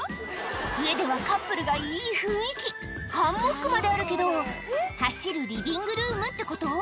上ではカップルがいい雰囲気ハンモックまであるけど走るリビングルームってこと？